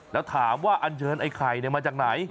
แล้วถามว่าอันเชิญไอ้ไข่มาจากไหน